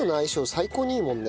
最高にいいもんね。